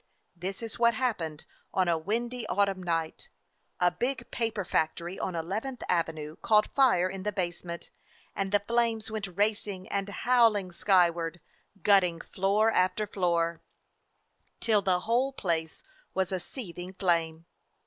This is what happened on a windy autumn night. A big paper factory on Eleventh Avenue caught fire in the basement, and the flames went racing and howling skyward, gutting floor after floor, till the whole place was a seething flame.